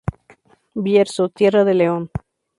Bierzo: Tierra de León.